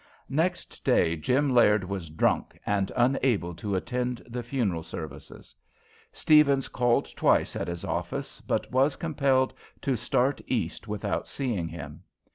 Next day Jim Laird was drunk and unable to attend the funeral services. Steavens called twice at his office, but was compelled to start East without seeing him.